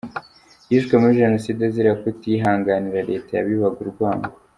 Yishwe muri Jenoside azira kutihanganira leta yabibaga urwango.